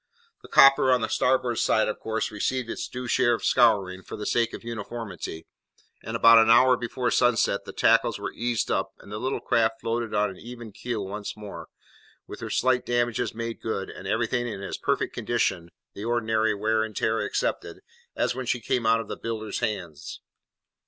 The copper on the starboard side, of course, received its due share of scouring, for the sake of uniformity; and about an hour before sunset, the tackles were eased up, and the little craft floated on an even keel once more, with her slight damages made good, and everything in as perfect condition (the ordinary wear and tear excepted) as when she came out of the builders hands.